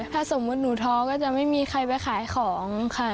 ถ้าสมมุติหนูท้อก็จะไม่มีใครไปขายของค่ะ